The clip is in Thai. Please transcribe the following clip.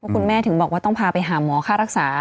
คุณแม่ถึงบอกว่าต้องพาไปหาหมอค่ารักษา